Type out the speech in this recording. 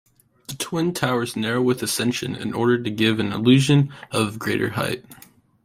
The twin-towers narrow with ascension in order to give an illusion of greater height.